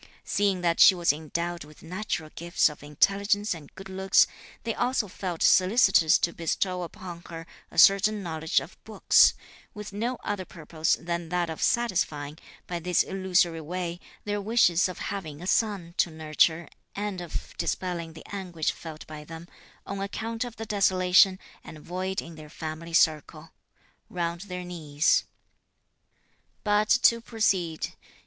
Seeing that she was endowed with natural gifts of intelligence and good looks, they also felt solicitous to bestow upon her a certain knowledge of books, with no other purpose than that of satisfying, by this illusory way, their wishes of having a son to nurture and of dispelling the anguish felt by them, on account of the desolation and void in their family circle (round their knees). But to proceed.